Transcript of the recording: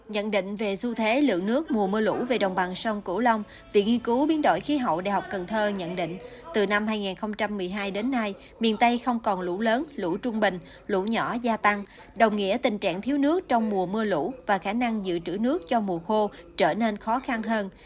nhận định về xu thế lượng nước mùa mưa lũ về đồng bằng sông cửu long viện nghiên cứu biến đổi khí hậu đại học cần thơ nhận định từ năm hai nghìn một mươi hai đến nay miền tây không còn lũ lớn lũ trung bình lũ nhỏ gia tăng đồng nghĩa tình trạng thiếu nước trong mùa mưa lũ và khả năng giữ trữ nước cho mùa khô trở nên khó khăn hơn